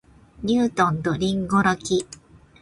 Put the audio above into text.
ニュートンと林檎の木